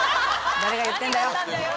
誰が言ってんだよ。